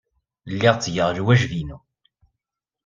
Lliɣ ttgeɣ lwajeb-inu.